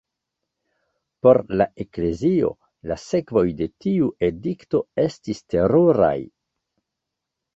Por la Eklezio, la sekvoj de tiu edikto estis teruraj.